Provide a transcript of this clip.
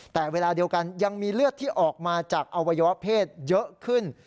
แต่เวลาเดียวกันยังมีเลือดที่ออกมาจากอวัยวะเพศเยอะขึ้น